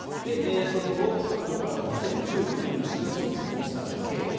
その後、ＫＡＤＯＫＡＷＡは２０１９年４月にスポンサー契約。